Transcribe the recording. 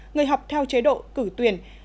người học theo chế độ cử tuyển